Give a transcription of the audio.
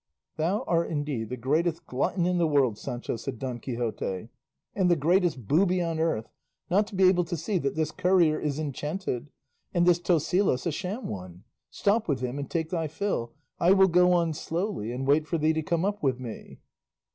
"Thou art indeed the greatest glutton in the world, Sancho," said Don Quixote, "and the greatest booby on earth, not to be able to see that this courier is enchanted and this Tosilos a sham one; stop with him and take thy fill; I will go on slowly and wait for thee to come up with me."